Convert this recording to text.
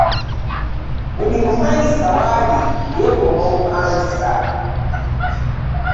Buli mupangisa waali yeevuma obupangisa!